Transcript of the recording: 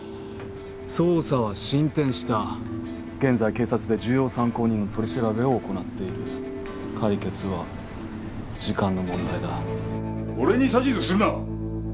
「捜査は進展した」「現在警察で重要参考人の取り調べを行っている」「解決は時間の問題だ」俺に指図するな！